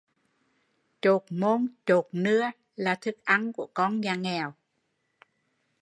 Chột môn chột nưa là thức ăn của con nhà nghèo